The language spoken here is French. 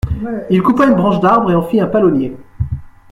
Il coupa une branche d'arbre et en fit un palonnier.